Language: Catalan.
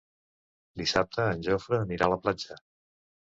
Dissabte en Jofre anirà a la platja.